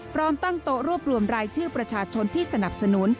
พร้อมตั้งโต๊ะรวบรวมรายชื่อประชาชนที่สนับสนุน